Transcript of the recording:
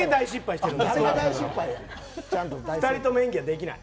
２人とも演技はできない。